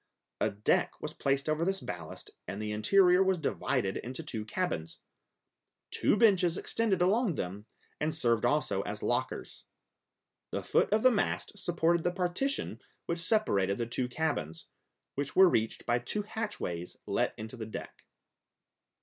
A deck was placed over this ballast, and the interior was divided into two cabins; two benches extended along them and served also as lockers. The foot of the mast supported the partition which separated the two cabins, which were reached by two hatchways let into the deck.